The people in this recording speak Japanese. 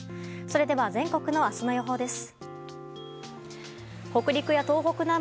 それでは全国の明日の予報です。